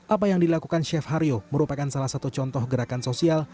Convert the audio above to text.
apa yang dilakukan chef haryo merupakan salah satu contoh gerakan sosial